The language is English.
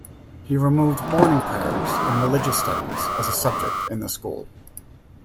He removed morning prayers and religious studies as a subject in the school.